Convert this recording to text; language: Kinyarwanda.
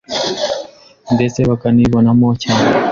ndetse bakanibonamo cyane